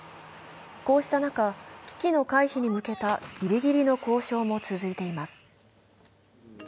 こうした中、危機の回避に向けたギリギリの交渉も続いています。